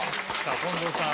近藤さん